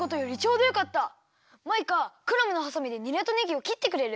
マイカクラムのはさみでにらとねぎをきってくれる？